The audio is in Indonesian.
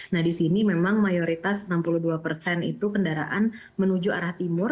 nah di sini memang mayoritas enam puluh dua persen itu kendaraan menuju arah timur